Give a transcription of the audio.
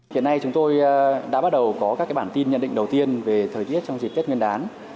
hiện nay chúng tôi đã bắt đầu có các bản tin nhận định đầu tiên về thời tiết trong dịp tết nguyên đán